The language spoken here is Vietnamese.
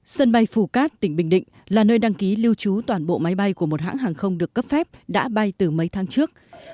sân bay phù cát tỉnh bình định là nơi đăng ký lưu trú toàn bộ máy bay của một hãng hàng không được cấp phép đã bay từ mấy tháng trước